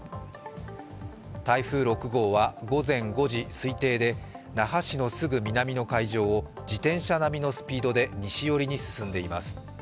台風６号は午前５時、推定で那覇市のすぐ南の海上を自転車並みのスピードで西寄りに進んでいます。